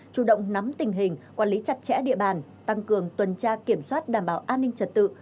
chủ động nắm tình hình quản lý chặt chẽ địa bàn tăng cường tuần tra kiểm soát đảm bảo an ninh trật tự